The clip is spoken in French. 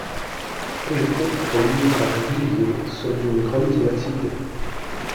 Les contes réunis par Villiers sont d'une grande diversité.